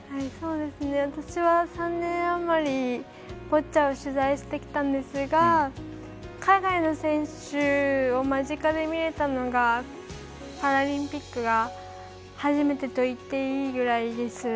私は３年余りボッチャを取材してきたんですが海外の選手を間近で見られたのはパラリンピックが初めてといって言いぐらいです。